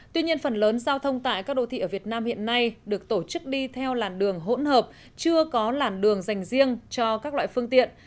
tuy nhiên phần lớn giao thông tại các đô thị ở việt nam hiện nay được tổ chức đi theo làn đường hỗn hợp chưa có làn đường dành riêng cho các loại phương tiện